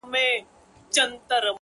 زما دې ژوند د ارواحونو په زنځير وتړئ”